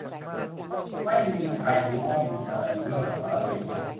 ไม่มีใครรู้ว่ามีอะไรอยู่เบื้องหลังประตูนี้